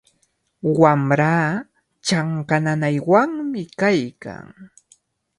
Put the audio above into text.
Wamraa chanka nanaywanmi kaykan.